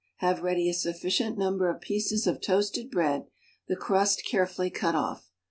Have ready a sufficient number of pieces of toasted bread, the crust carefully cut off.